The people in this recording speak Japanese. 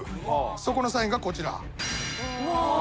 そこのサインがこちら。